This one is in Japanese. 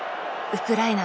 ウクライナ！